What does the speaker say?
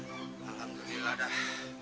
aduh alhamdulillahlah dah